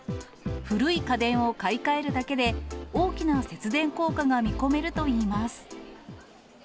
古い家電を買い替えるだけで、大きな節電効果が見込めるといいます。